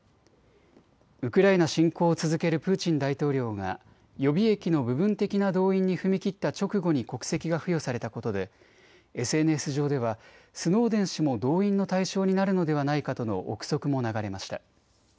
ウクライナ侵攻を続けるプーチン大統領が予備役の部分的な動員に踏み切った直後に国籍が付与されたことでＳＮＳ上ではスノーデン氏も動員の対象になるのではないかとの臆測も流れました。